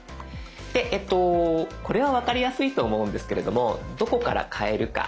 でこれは分かりやすいと思うんですけれどもどこから変えるか。